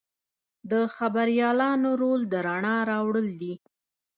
د خبریالانو رول د رڼا راوړل دي.